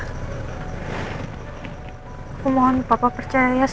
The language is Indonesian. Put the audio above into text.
aku mohon papa percaya sama aku